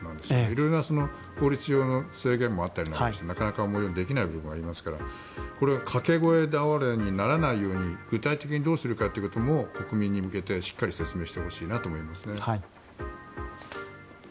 色々な法律上の制限もあったりなんかしてなかなか思うようにできない部分がありますからこれで掛け声倒れにならないように具体的にどうするかということも国民に向けてしっかり説明してほしいと思います。